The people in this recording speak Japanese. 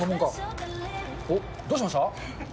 おっ、どうしました？